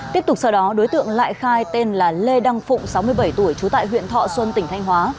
tiếp tục sau đó đối tượng lại khai tên là lê đăng phụng sáu mươi bảy tuổi trú tại huyện thọ xuân tỉnh thanh hóa